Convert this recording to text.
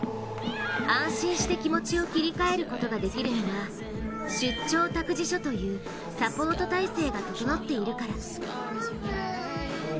安心して気持ちを切り替えることができるのは出張託児所というサポート体制が整っているから。